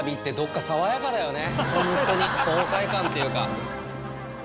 ホントに爽快感っていうか。